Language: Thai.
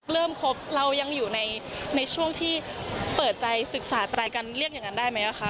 ครบเรายังอยู่ในช่วงที่เปิดใจศึกษาใจกันเรียกอย่างนั้นได้ไหมคะ